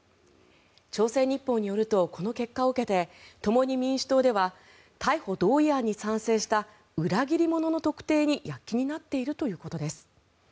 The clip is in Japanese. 朝鮮日報によるとこの結果を受けて共に民主党では逮捕同意案に賛成した裏切り者の特定に躍起になっているということです。